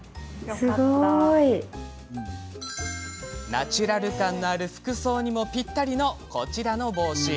ナチュラル感のある服装にもぴったりの、こちらの帽子。